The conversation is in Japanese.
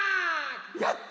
やった！